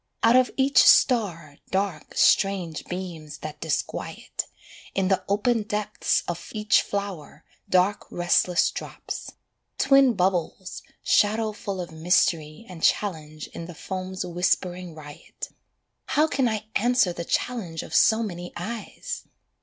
Out of each star, dark, strange beams that disquiet: In the open depths of each flower, dark restless drops: Twin bubbles, shadow full of mystery and challenge in the foam's whispering riot: How can I answer the challenge of so many eyes!